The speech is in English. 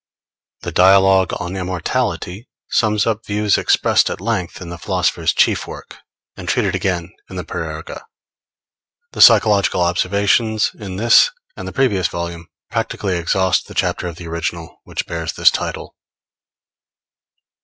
The Dialogue on Immortality sums up views expressed at length in the philosopher's chief work, and treated again in the Parerga. The Psychological Observations in this and the previous volume practically exhaust the chapter of the original which bears this title.